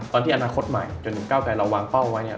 ตอนที่อนาคตใหม่จนถึงเก้าไกรเราวางเป้าไว้เนี่ย